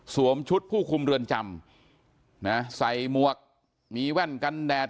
ชุดผู้คุมเรือนจำนะใส่หมวกมีแว่นกันแดด